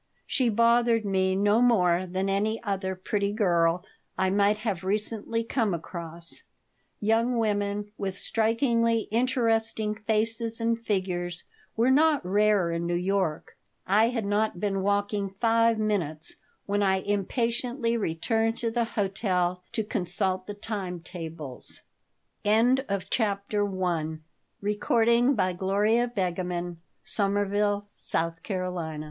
She bothered me no more than any other pretty girl I might have recently come across. Young women with strikingly interesting faces and figures were not rare in New York I had not been walking five minutes when I impatiently returned to the hotel to consult the time tables CHAPTER II I WAS chatting with Rivesman, the lessee of the hotel, across t